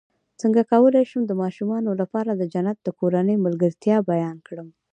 څنګه کولی شم د ماشومانو لپاره د جنت د کورنۍ ملګرتیا بیان کړم